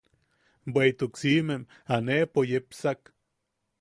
Bweʼituk siʼimem aneʼepo yepsak.